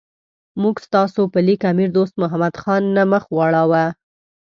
موږ ستاسو په لیک امیر دوست محمد خان نه مخ واړاو.